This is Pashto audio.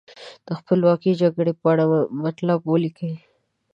د خپلواکۍ جګړې په اړه مطلب ولیکئ.